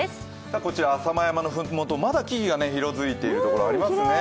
こちら、浅間山のふもと、まだ木々が色づいている所がありますね。